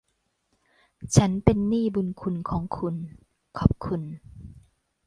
ฉันเป็นหนี้บุณคุณของคุณ ขอบคุณ